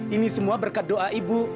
ini semua berkat doa ibu